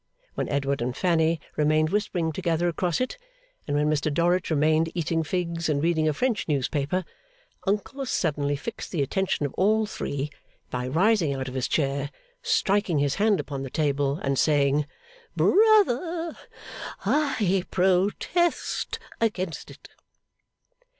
When Edward and Fanny remained whispering together across it, and when Mr Dorrit remained eating figs and reading a French newspaper, Uncle suddenly fixed the attention of all three by rising out of his chair, striking his hand upon the table, and saying, 'Brother! I protest against it!